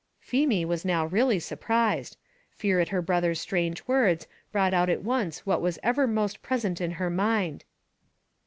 Feemy was now really surprised; fear at her brother's strange words brought out at once what was ever most present in her mind.